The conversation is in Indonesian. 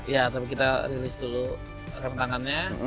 iya tapi kita rilis dulu rem tangannya